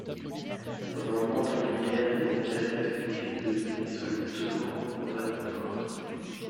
Pendant l'entre-deux-guerres, les intérêts respectifs des deux pays sont le plus souvent contradictoires.